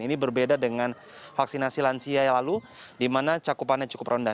ini berbeda dengan vaksinasi lansia yang lalu di mana cakupannya cukup rendah